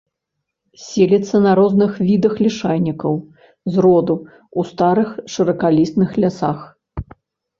Селіцца на розных відах лішайнікаў з роду ў старых шыракалістых лясах.